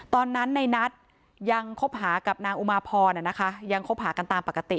ตอนนั้นในนัทยังคบหากับนางอุมาพรยังคบหากันตามปกติ